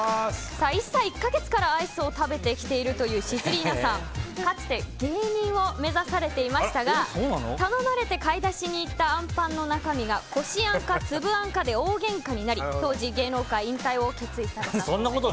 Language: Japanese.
１歳１か月からアイスを食べてきているというシズリーナさん、かつて芸人を目指されていましたが頼まれて買い出しに行ったあんパンの中身がこしあんか粒あんかで大げんかになり当時、芸能界引退を決意されたと。